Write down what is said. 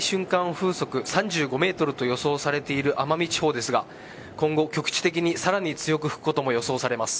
風速３５メートルと予想されている奄美地方ですが今後、局地的にさらに強く吹くことも予想されます。